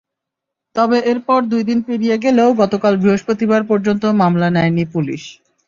তবে এরপর দুই দিন পেরিয়ে গেলেও গতকাল বৃহস্পতিবার পর্যন্ত মামলা নেয়নি পুলিশ।